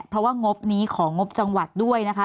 เพราะว่างบนี้ของงบจังหวัดด้วยนะคะ